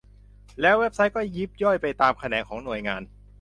แล้วเว็บไซต์ก็ยิบย่อยไปตามแขนงของหน่วยงาน